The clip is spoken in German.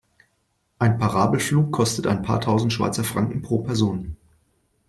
Ein Parabelflug kostet ein paar tausend Schweizer Franken pro Person.